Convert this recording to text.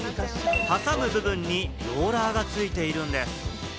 挟む部分にローラーがついているんです。